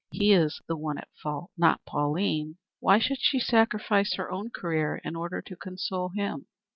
He is the one at fault, not Pauline. Why should she sacrifice her own career in order to console him?"